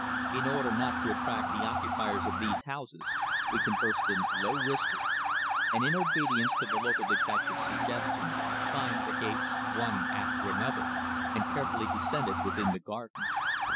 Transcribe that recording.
In order not to attract the occupiers of these houses we conversed in low whispers, and in obedience to the local detective's suggestion climbed the gates one after another and carefully descended within the garden.